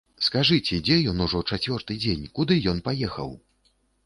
Скажыце, дзе ён ужо чацвёрты дзень, куды ён паехаў?